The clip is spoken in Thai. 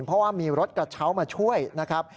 เพราะว่ามีรถกระเช้ามาช่วยนะครับ